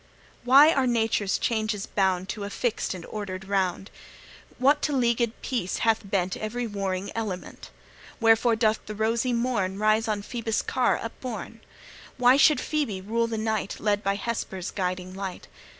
Why are Nature's changes bound To a fixed and ordered round? What to leaguèd peace hath bent Every warring element? Wherefore doth the rosy morn Rise on Phoebus' car upborne? Why should Phoebe rule the night, Led by Hesper's guiding light?